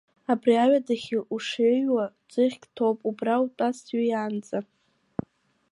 Абри аҩадахьы ушҩеиуа ӡыхьк ҭоуп, убра утәаз сҩеиаанӡа.